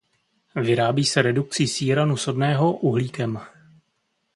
Vyrábí se redukcí síranu sodného uhlíkem.